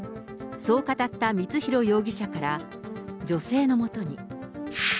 そう語った光弘容疑者から女性のもとに。